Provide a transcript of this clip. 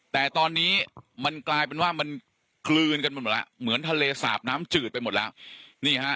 แต่ตอนนี้มันกลายเป็นว่ามันกลืนกันไปหมดแล้วเหมือนทะเลสาบน้ำจืดไปหมดแล้วนี่ฮะ